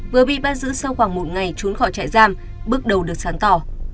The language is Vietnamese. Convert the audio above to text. vừa bị bắt giữ sau khoảng một ngày trốn khỏi trại giam bước đầu được sáng tỏ